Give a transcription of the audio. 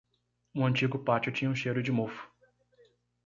O antigo pátio tinha um cheiro de mofo.